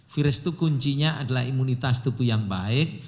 virus itu kuncinya adalah imunitas tubuh yang baik